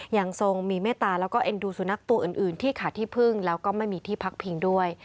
ยังทรงมีเมตตาแล้วก็เอ็นดูสุนัขตัวอื่นที่ขาดที่พึ่งแล้วก็ไม่มีที่พักพิงด้วย